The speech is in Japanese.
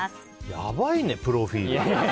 やばいね、プロフィール！